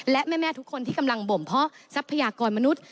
และแม่ทุกคนที่กำลังบ่มเพาะทรัพยากรมนุษย์